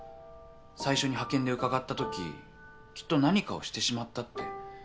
最初に派遣で伺ったとききっと何かをしてしまったって。